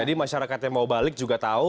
jadi masyarakat yang mau balik juga tahu